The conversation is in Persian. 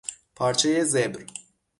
پارچهی زبر